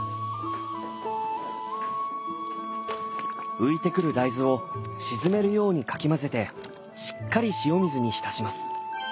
浮いてくる大豆を沈めるようにかき混ぜてしっかり塩水に浸します。